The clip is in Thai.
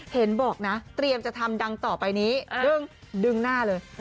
เห็นบอกนะเตรียมจะทำดังต่อไปนี้ดึงหน้าเลย